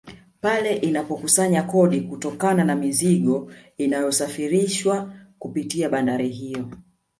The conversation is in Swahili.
Pale inapokusanya kodi kutokana na mizigo inayosafirishwa kupitia bandari hiyo